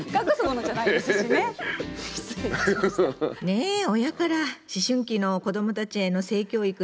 ね親から思春期の子どもたちへの性教育